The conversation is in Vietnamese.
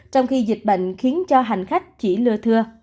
trong khi dịch bệnh khiến cho hành khách chỉ lừa thưa